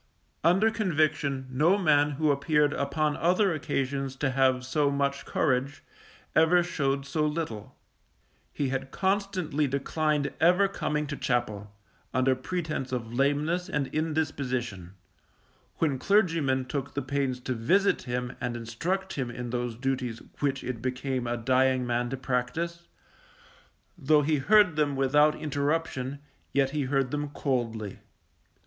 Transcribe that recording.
Under conviction, no man who appeared upon other occasions to have so much courage, ever showed so little. He had constantly declined ever coming to chapel, under pretence of lameness and indisposition; when clergymen took the pains to visit him and instruct him in those duties which it became a dying man to practice, though he heard them without interruption, yet he heard them coldly.